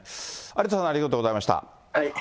有田さん、ありがとうございました。